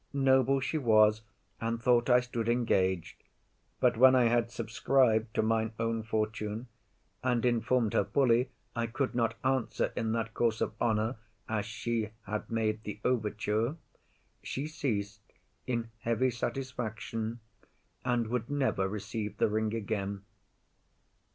Noble she was, and thought I stood engag'd; but when I had subscrib'd To mine own fortune, and inform'd her fully I could not answer in that course of honour As she had made the overture, she ceas'd, In heavy satisfaction, and would never Receive the ring again.